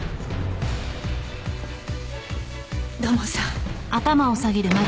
土門さん。